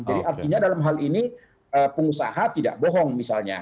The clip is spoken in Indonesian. jadi artinya dalam hal ini pengusaha tidak bohong misalnya